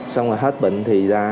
xong rồi hết bệnh thì ra